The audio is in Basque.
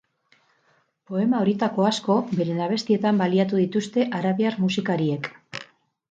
Poema horietako asko beren abestietan baliatu dituzte arabiar musikariek.